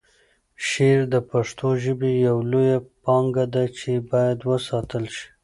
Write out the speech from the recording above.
شعر د پښتو ژبې یوه لویه پانګه ده چې باید وساتل شي.